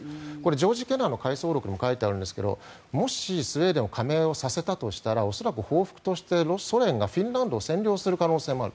ジョージ・ケナンの回想録にも書いてあるんですがもしスウェーデンを加盟させたとしたら恐らく報復としてソ連がフィンランドを加盟させる恐れがある。